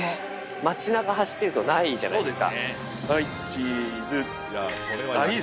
街なか走っているとないじゃないですか。